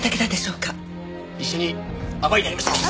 一緒に暴いてやりましょう！